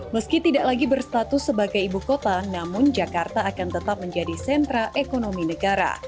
meski tidak lagi berstatus sebagai ibu kota namun jakarta akan tetap menjadi sentra ekonomi negara